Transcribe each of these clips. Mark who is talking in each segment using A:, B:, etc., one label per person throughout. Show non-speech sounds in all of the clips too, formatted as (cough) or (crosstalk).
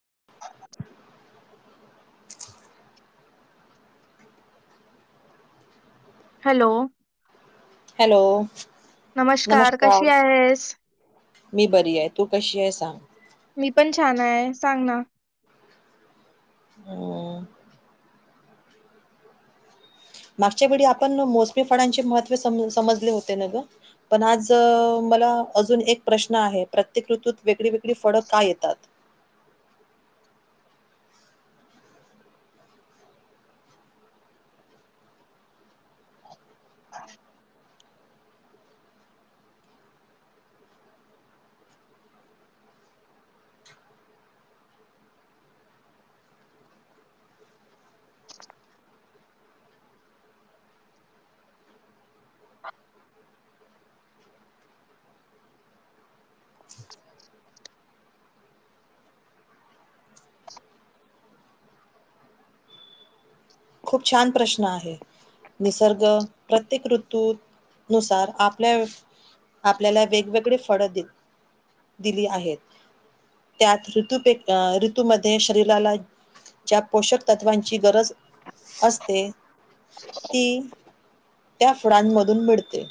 A: (inaudible)
B: Hello.
A: Hello.
B: कशी
A: नमस्कार,
B: आहेस?
A: मी बरी आहे, तू कशी आहे सांग?
B: मी पण छान आहे सांग ना.
A: (inaudible) मागच्या वेळी आपण मोसमी फळांचे महत्व स-समजले होते ना गं. पण आज मला अजून एक प्रश्न आहे, प्रत्येक ऋतूत वेगळी वेगळी फळं का येतात?
B: (inaudible) (inaudible)
A: खूप छान प्रश्न आहे. निसर्ग प्रत्येक ऋतू नुसार आपल्या आपल्याला वेगवेगळे फळ दि-दिली आहेत. त्यात ऋतू पे अ ऋतूमध्ये शरीराला ज्या पोषक तत्वांची गरज असते ती त्या खुडांमधून मिळते.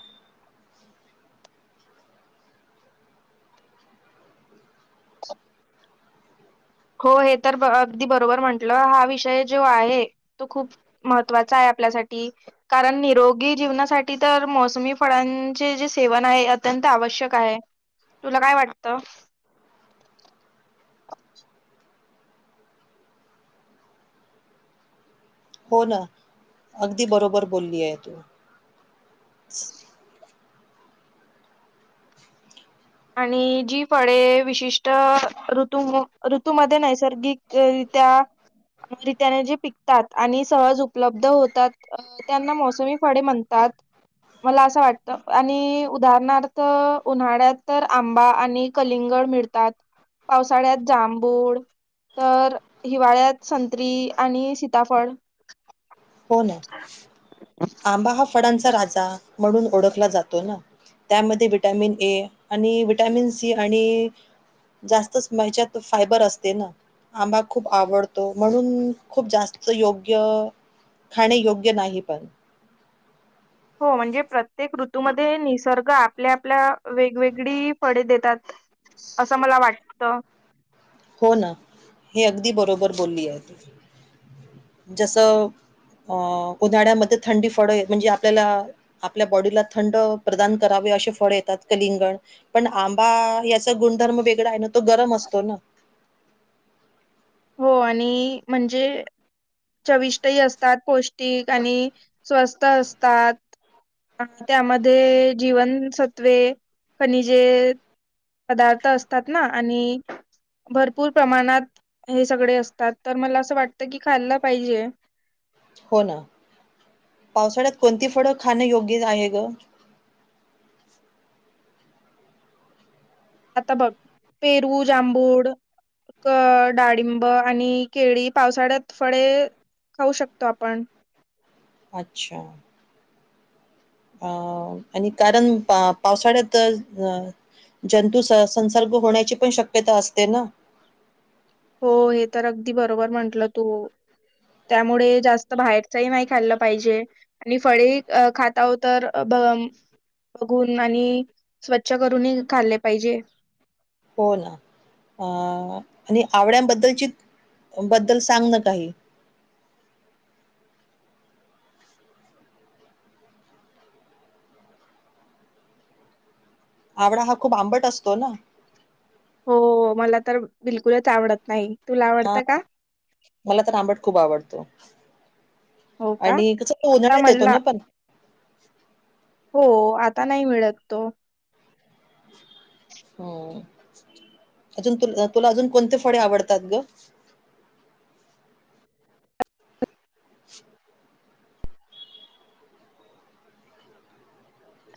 B: (inaudible) हो हे तर अगदी बरोबर म्हटलं हा विषय जो आहे, तो खूप महत्वाचा आहे आपल्यासाठी. कारण निरोगी जीवनासाठी तर मोसमी फळांचे जे सेवन आहे, अत्यंत आवश्यक आहे. तुला काय वाटतं?
A: हो ना अगदी बरोबर बोलली आहे तू.
B: आणि जी फळे विशिष्ट ऋतू ऋतूमध्ये नैसर्गिक रित्या रित्याने जे पिकतात आणि सहज उपलब्ध होतात. त्यांना मोसमी फळे म्हणतात. मला असं वाटत, आणि उदाहरणार्थ उन्हाळ्यात तर आंबा आणि कलिंगड मिळतात. पावसाळ्यात जांभूळ, तर हिवाळ्यात संत्री आणि सीताफळ
A: होना आंबा हा फळांचा राजा म्हणून ओळखला जातो ना. त्यामध्ये विटॅमिन ए आणि विटॅमिन सी आणि जास्तच म ह्याच्यात फायबर असते ना. आंबा खूप आवडतो, म्हणून खूप जास्त योग्य खाणे योग्य नाही पण
B: हो म्हणजे प्रत्येक ऋतूमध्ये निसर्ग आपल्या आपल्या वेगवेगळी फळे देतात. असं मला वाटत.
A: हो ना हे अगदी बरोबर बोलली आहे, ती जस अं उन्हाळ्यामध्ये थंडी फळ म्हणजे, आपल्याला आपल्या बॉडीला थंड प्रदान करावे, असे फळे येतात कलिंगड पण आंबा याचा गुणधर्म वेगळा आहे ना, तो गरम असतो ना.
B: हो आणि म्हणजे चविष्ट ही असतात पौ ष्टिक आणि स्वस्त असतात. अ त्यामध्ये जीवनसत्वे खनिजे पदार्थ असतात, ना आणि भरपूर प्रमाणात हे सगळे असतात, तर मला असं वाटतं की खाल्ला पाहिजे.
A: होना पावसाळ्यात कोणती फळं खाणं योग्य आहे गं?
B: आता बघ पेरू, जांभूळ, अ डाळिंब आणि केळी पावसाळ्यात फळे खाऊ शकतो आपण.
A: अच्छा. अ आणि कारण पा- पावसाळ्यात अ.. जंतू संसर्ग होण्याची पण, शक्यता असते ना.
B: हो, हे तर अगदी बरोबर म्हंटल तू. त्यामुळे जास्त बाहेरच ही नाही खाल्लं पाहिजे. आणि फळे खाता हो तर, भम बघून आणि स्वच्छ करून खाल्ले पाहिजे.
A: हो ना, अ.. आणि आवळ्यानबद्दलची बद्दल सांग ना काही. आवळा हा, खूप आंबट असतो ना.
B: हो, मला तर बिलकुलच आवडत नाही. तुला
A: हा,
B: आवडतं का
A: मला तर आंबट खूप आवडत.
B: हो का
A: आणि कसं
B: आता
A: उन्हाळ्यात येतो.
B: मला
A: ना पण.
B: हो आता नाही मिळत तो.
A: हम, अजून तु तुला अजून कोणते फळे आवडतात गं. (inaudible)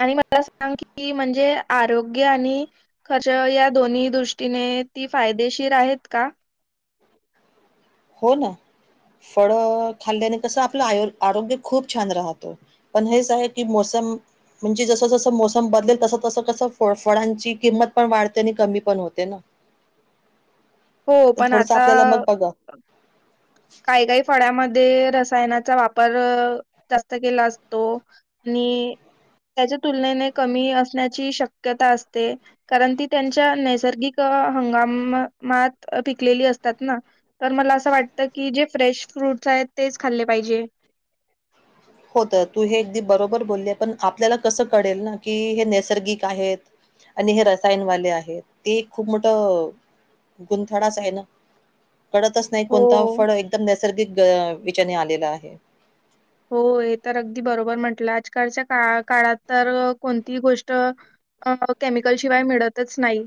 B: आणि मला सांग की, म्हणजे आरोग्य आणि. खर्च या दोन्ही दृष्टीने ती, फायदेशीर आहेत का.
A: हो ना फळ खाल्ल्याने कसं, आपलं आरोग्य खूप छान राहतं. पण हेच आहे की मोसम. म्हणजे जसं जसं मोसम बदलेल तसं तसं कसं फ फळांची किंमत पण वाढते. आणि कमी पण होते ना.
B: हो
A: तर
B: पण
A: थोडंसं
B: आता,
A: आपल्याला मग बघा
B: काही काही फळ्यामध्ये, रसायनाचा वापर जास्त केला असतो. आणि त्यांच्या तुलनेने, कमी असण्याची शक्यता असते. कारण, ती त्यांच्या नैसर्गिक हंगामामात पिकलेली असत्यात ना. तर मला असं वाटतं की, जे फ्रेश फ्रूट्स आहेत तेच खाल्ले पाहिजे.
A: होत तर तू हे अगदी बरोबर बोली आहे. पण आपल्याला कसं कळेल ना की हे नैसर्गिक आहेत. आणि हे रसायनवाले आहेत, ते खूप मोठ गुंथडाच आहे ना. कळतच नाही. कोणता
B: हो
A: फळ एकदम नैसर्गिक विचने आलेला आहे.
B: हो हे तर अगदी बरोबर म्हटला, आजकालच्या का काळात तर कोणतीही गोष्ट. अ केमिकल शिवाय मिळतच नाही.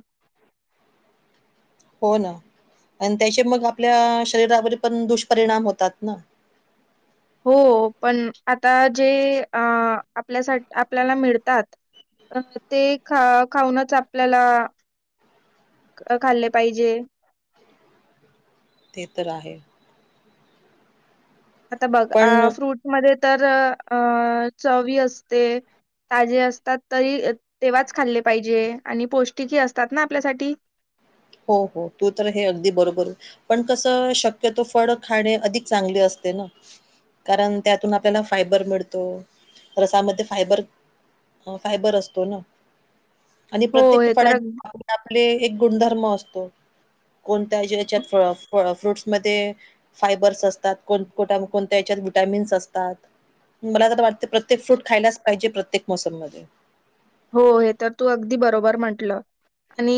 A: हो ना आणि त्यांचे मग, आपल्या शरीरावर पण दुष्परिणाम होतात ना.
B: हो पण आता जे, अ.. आपल्यासाठी आपल्याला मिळतात. अ ते खा खाऊनच आपल्याला. खाल्ले पाहिजे.
A: ते तर आहे.
B: आता बघ, अ
A: पण
B: फ्रूट मध्ये तर अ चवी असते. ताजे असतात तरी तेव्हाच खाल्ले पाहिजे, आणि पौष्टिकही असतात ना आपल्यासाठी.
A: हो हो तू तर हे, अगदी बरोबर. पण कसं शक्यतो, फळ खाणे अधिक चांगले असते ना. कारण त्यातून आपल्याला फायबर मिळतो. रसामध्ये फायबर. फायबर असतो ना. आणि
B: हो,
A: प्रत्येक
B: हे तर
A: फळां
B: अग
A: आपले, आपले एक गुणधर्म असतो. कोणत्या ज्या हेच्यात फ फ्रूट्. म ते फायबर्स असतात, कोणत्याना कोणत्या याच्यात विटामिन्स असतात. मला तर वाटते प्रत्येक फ्रूट खायलाच पाहिजे, प्रत्येक मोसम मध्ये.
B: हो हे तर तू अगदी बरोबर म्हंटलं आणि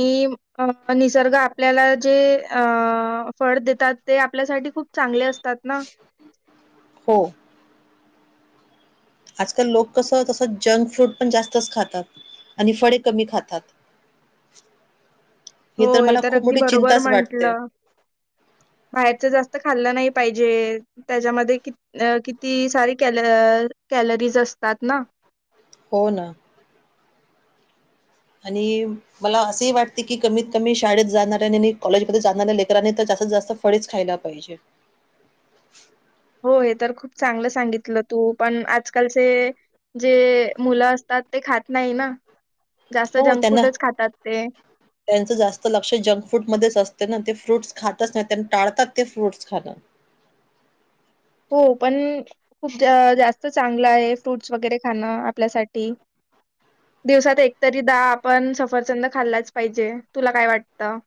B: अ निसर्ग आपल्याला जे अ फड देतात ते आपल्यासाठी खूप चांगले असतात ना.
A: हो. आजकाल लोक कसं तसं जंक फूड पण जास्तच खातात. आणि फळे कमी खातात. हे
B: हो,
A: तर मला खूप
B: अगदी
A: मोठी
B: बरोबर
A: चिंताच वाटते.
B: म्हटलं. बाहेरचं जास्त खाल्लं नाही पाहिजे. त्याच्यामध्ये कीत किती सारी कॅल कॅलरीज असतात ना.
A: हो ना. आणि. मला असही वाटते की कमीत कमी शाळेत जाणाऱ्यानी आणि कॉलेजमध्ये जाणाऱ्या लेकरांनी तर जास्तीत जास्त. फळेच खायला पाहिजे.
B: हो. हे तर खूप चांगलं सांगितलं तू पण आजकालचे जे मुलं असतात ते खात नाही ना जास्त
A: हो
B: जंक
A: त्यांना
B: फूडच खातात ते.
A: त्यांचं जास्त लक्ष जंक फूड मध्येच असते ना. ते फ्रूट्स खातच नाही त्यांना टाळतात ते फ्रूट्स खाणं.
B: हो पण खूप जा-जास्त चांगलं आहे फ्रूट्स वगैरे खाणं आपल्यासाठी. दिवसात एकतरी दा आपण सफरचंद खाल्लाच पाहिजे तुला काय वाटतं?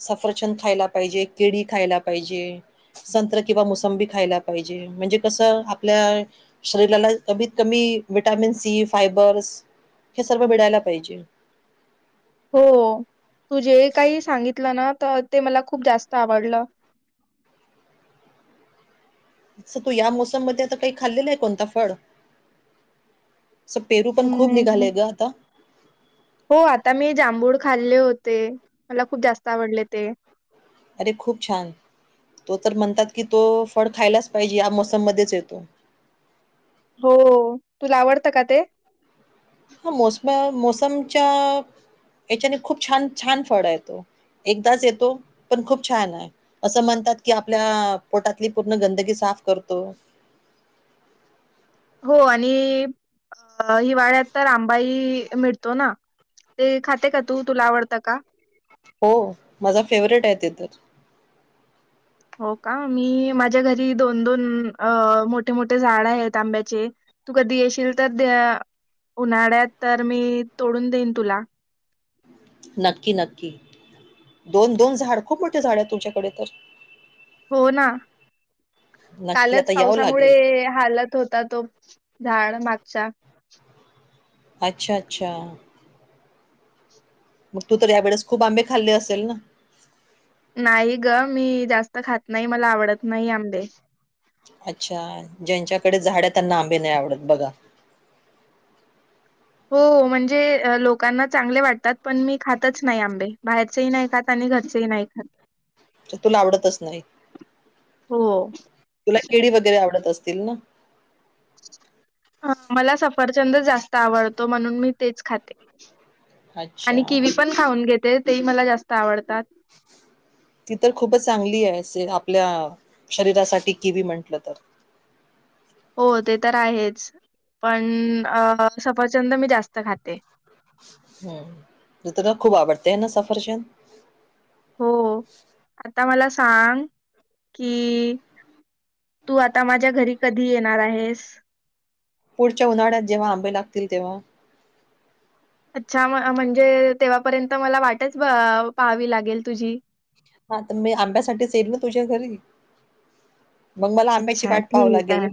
A: सफरचंद खायला पाहिजे, केडी खायला पाहिजे. संत्र किंवा मोसंबी खायला पाहिजे म्हणजे कसं आपल्या शरीराला कमीत कमी विटामिन सी, फायबर्स हे सर्व मिडायला पाहिजे.
B: हो तू जे काही सांगितलं ना तर ते मला खूप जास्त आवडलं.
A: तसं तू या मोसम मध्ये आता काही खाल्लेलं आहे कोणता फळ? स पेरू पण खूप
B: हम्म
A: निघालेय ग आता.
B: हो आता मी जांभूळ खाल्ले होते. मला खूप जास्त आवडले ते.
A: अरे खूप छान. तो तर म्हणतात की तो फळ खायलाच पाहिजे या मोसम मध्येच येतो.
B: हो. तुला आवडतं का ते?
A: हा. मोसम्या, मोसमच्या याच्याने खूप छान छान फळ आहे तो. एकदाच येतो पण खूप छान आहे. असं म्हणतात की, आपल्या पोटातली पूर्ण गंदगी साफ करतो.
B: हो आणि हिवाळ्यात तर आंबाई मिळ तो ना? ते खाते का तू? तुला आवडतं का?
A: हो माझा फेवरेट आहे ते तर.
B: हो का मी माझ्या घरी दोन दोन अ मोठे मोठे झाड आहेत आंब्याचे. तू कधी येशील, तर त्या उन्हाळ्यात तर मी तोडून देईन तुला.
A: नक्की नक्की. दोन दोन झाड, खूप मोठे झाड आहेत तुमच्याकडे तर.
B: हो ना.
A: नक्की
B: कालच
A: आता यावं
B: पावसामुळे
A: लागेल
B: हालत होता तो. झाड मागच्या.
A: अच्छा अच्छा. मग तू तर यावेळेस खूप आंबे खाल्ले असेल ना?
B: नाही ग. मी जास्त खात नाही. मला आवडत नाही आंबे.
A: अच्छा. ज्यांच्याकडे झाड त्यांना आंबे नाही आवडत बघा.
B: हो म्हणजे लोकांना चांगले वाटतात, पण मी खातच नाही आंबे. बाहेरचेही नाही खात. आणी घरचेही नाही खात.
A: (inaudible) म्हणजे तुला आवडतच नाही.
B: हो
A: तुला केडी वगैरे आवडत असतील ना?
B: हां. मला सफरचंद जास्त आवडतो. म्हणून मी तेच खाते.
A: अच्छा
B: आणि किवी पण खाऊन घेते. तेही मला जास्त आवडतात.
A: (inaudible) ती तर खूपच चांगली आहेे अस आपल्या शरीरासाठी किवी म्हंटलं तर.
B: हो ते तर आहेच. पण अं सफरचंद मी जास्त खाते.
A: हम. तर तुला खूप आवडते ह ना सफरचंद?
B: हो. आता मला सांग की- तू आता माझ्या घरी कधी येणार आहेस?
A: पुढच्या उन्हाळ्यात जेव्हा आंबे लागतील तेव्हा.
B: अच्छा म म्हणजे तेव्हापर्यंत मला वाटच ब पहावी लागेल तुझी?
A: हा. पण मी आंब्यासाठीच येईल ना तुझ्या घरी? मग मला आंब्याची
B: अच्छा
A: वाट पाहावी
B: ठीक
A: लागेल.
B: आहे,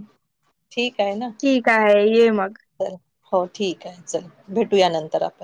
A: ठीक आहे ना.
B: ठीक आहे ये मग.
A: हो. हो ठीक आहे चल. भेटूया नंतर आपण.